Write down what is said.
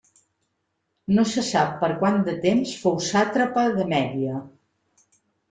No se sap per quant de temps fou sàtrapa de Mèdia.